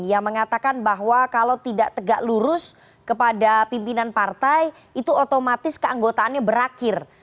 yang mengatakan bahwa kalau tidak tegak lurus kepada pimpinan partai itu otomatis keanggotaannya berakhir